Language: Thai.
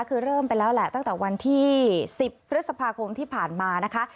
คือเริ่มไปแล้วแหละตั้งแต่วันที่๑๐พฤษภาคมที่ผ่านมานะคะ